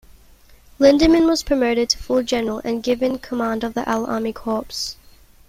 Lindemann was promoted to full General and given command of the L Army Corps.